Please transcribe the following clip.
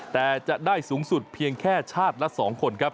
แต่จะได้สูงสุดเพียงแค่ชาติละ๒คนครับ